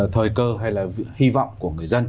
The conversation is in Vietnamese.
thời cơ hay là hy vọng của người dân